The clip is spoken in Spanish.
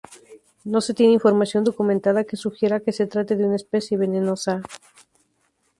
No se tiene información documentada que sugiera que se trate de una especie venenosa.